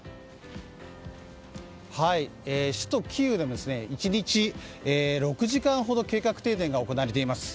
首都キーウでも１日６時間ほど計画停電が行われています。